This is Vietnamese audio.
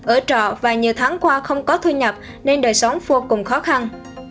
ở trọ và nhiều tháng qua không có thu nhập nên đời sống vô cùng khó khăn